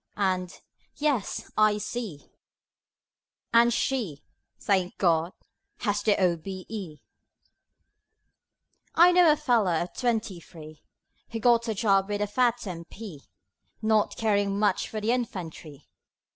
and "Yes, I see" And she thank God! has the O.B.E. I know a fellow of twenty three, Who got a job with a fat M.P. (Not caring much for the Infantry.)